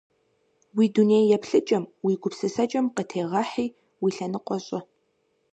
Уи дуней еплъыкӀэм, уи гупсысэкӀэм къытегъэхьи, уи лъэныкъуэ щӀы.